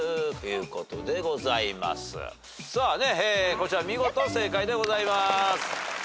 こちら見事正解でございます。